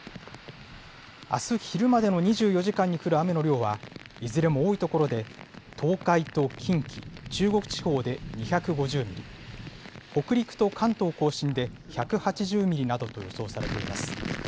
あす昼までの２４時間に降る雨の量は、いずれも多い所で、東海と近畿、中国地方で２５０ミリ、北陸と関東甲信で１８０ミリなどと予想されています。